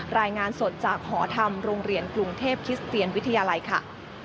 รายงานสดจากหอธรรมโรงเรียนกรุงเทพคิสเตียนวิทยาลัยค่ะ